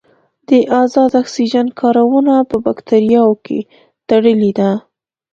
د ازاد اکسیجن کارونه په باکتریاوو کې تړلې ده.